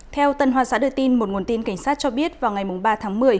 theo tân hoa xã đưa tin một nguồn tin cảnh sát cho biết vào ngày ba tháng một mươi